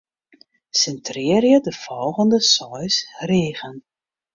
Sintrearje de folgjende seis rigen.